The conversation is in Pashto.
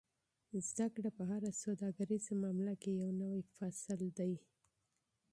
زده کړه په هره سوداګریزه معامله کې یو نوی فصل دی.